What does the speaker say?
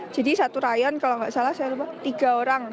jadi satu rayon kalau gak salah saya lupa tiga orang